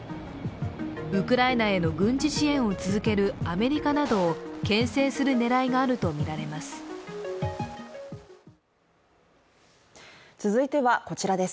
ウクライナへの軍事支援を続けるアメリカなどをけん制する狙いがあるとみられます。